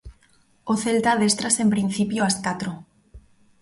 O Celta adéstrase en principio ás catro.